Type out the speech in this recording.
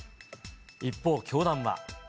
一方、教団は。